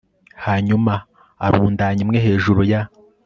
hanyuma arundanya imwe hejuru ya